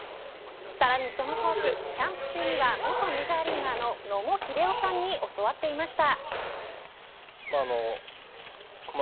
フォークがあるだけでさらにそのフォークキャンプ中には元メジャーリーガーの野茂英雄さんに教わっていました。